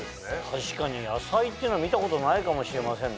確かに野菜ってのは見たことないかもしれませんね。